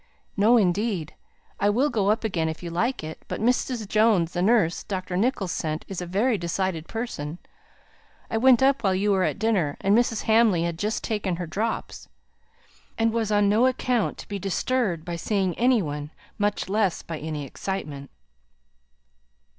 "No, indeed. I will go up again if you like it. But Mrs. Jones, the nurse Dr. Nicholls sent, is a very decided person. I went up while you were at dinner, and Mrs. Hamley had just taken her drops, and was on no account to be disturbed by seeing any one, much less by any excitement."